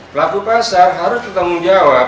pelaku pasar harus bertanggung jawab